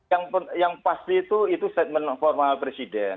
ya yang pasti itu itu statement formal presiden